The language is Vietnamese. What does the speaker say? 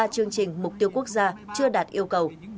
ba chương trình mục tiêu quốc gia chưa đạt yêu cầu